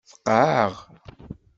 Feqɛeɣ.